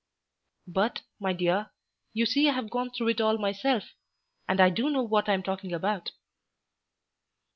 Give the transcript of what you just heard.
"But, my dear, you see I have gone through it all myself, and I do know what I am talking about."